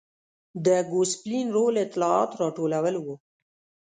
د ګوسپلین رول اطلاعات راټولول و.